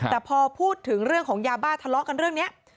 แต่พอพูดถึงเรื่องของยาบ้าทะเลาะกันเรื่องนี้